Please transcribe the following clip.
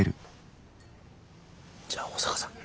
じゃあ保坂さん。